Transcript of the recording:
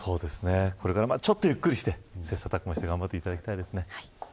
これからちょっとゆっくりして切磋琢磨して頑張ってほしいですね。